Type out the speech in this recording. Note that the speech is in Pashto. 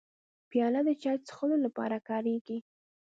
پیاله د چای څښلو لپاره کارېږي.